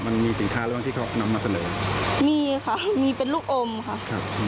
มันมีสินค้าระหว่างที่เขานำมาเสนอมีค่ะมีเป็นลูกอมค่ะครับ